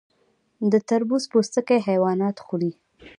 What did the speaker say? د تربوز پوستکي حیوانات خوري.